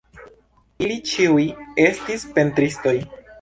Ili ĉiuj estis pentristoj.